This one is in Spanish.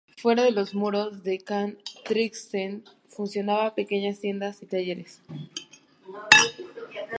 Fuera de los muros de Can Trinxet funcionaban pequeñas tiendas y talleres.